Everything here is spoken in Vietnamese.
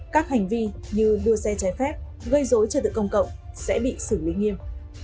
các hành vi như đua xe trái phép gây dối trật tự công cộng sẽ bị xử lý nghiêm